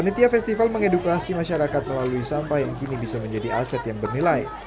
panitia festival mengedukasi masyarakat melalui sampah yang kini bisa menjadi aset yang bernilai